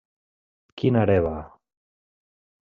Quina hereva!